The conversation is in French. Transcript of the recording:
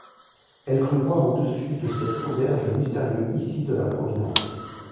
Elle crut voir au dessus de cette auberge le mystérieux ici de la providence.